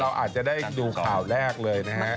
เราอาจจะได้ดูข่าวแรกเลยนะฮะ